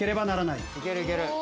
いけるいける。